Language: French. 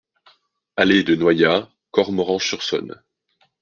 Allée de Noaillat, Cormoranche-sur-Saône